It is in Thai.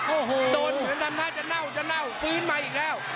โอ้โหโดนเหมือนทำท่าจะเน่าจะเน่าฟื้นมาอีกแล้ว